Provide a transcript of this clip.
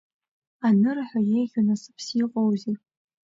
Анырҳәо, еиӷьу насыԥс иҟоузеи!